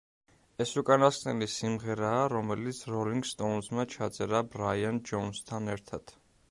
ეს უკანასკნელი სიმღერაა, რომელიც როლინგ სტოუნზმა ჩაწერა ბრაიან ჯოუნსთან ერთად.